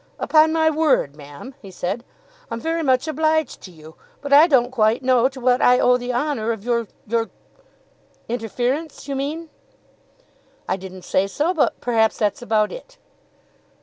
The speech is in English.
"Upon my word, ma'am," he said, "I'm very much obliged to you, but I don't quite know to what I owe the honour of your your " "Interference you mean." "I didn't say so, but perhaps that's about it."